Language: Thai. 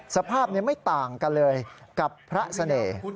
สภาพไม่ต่างกันเลยกับพระเสน่ห์